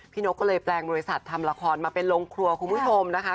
นกก็เลยแปลงบริษัททำละครมาเป็นโรงครัวคุณผู้ชมนะคะ